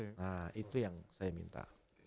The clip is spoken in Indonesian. nah itu yang saya minta